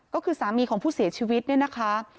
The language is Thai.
ก็คือสามีของผู้เสียชีวิตเนี่ยนะคะ